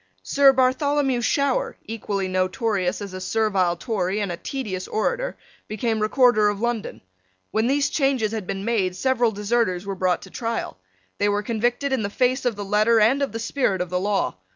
Sir Bartholomew Shower, equally notorious as a servile Tory and a tedious orator, became Recorder of London. When these changes had been made, several deserters were brought to trial. They were convicted in the face of the letter and of the spirit of the law.